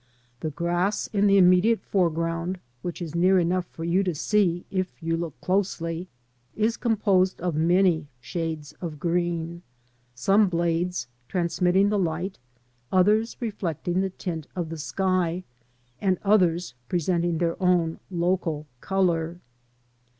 The grass in \ the immediate foreground, which is near enough for you to see if you look closely, is composed of many shades of green; some blades transmitting the light, others reflecting the tint of the sky, and others presenting their own local colour.